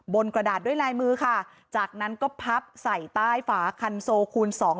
กระดาษด้วยลายมือค่ะจากนั้นก็พับใส่ใต้ฝาคันโซคูณสอง